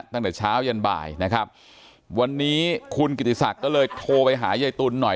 ตั้งแต่เช้ายันบ่ายนะครับวันนี้คุณกิติศักดิ์ก็เลยโทรไปหายายตุ๋นหน่อย